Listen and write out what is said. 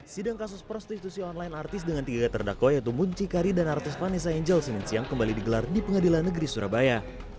sidang kasus prostitusi online artis dengan tiga terdakwa yaitu muncikari dan artis vanessa angel senin siang kembali digelar di pengadilan negeri surabaya